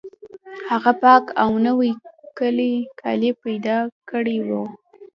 هغه پاک او نوي کالي پیدا کړي وو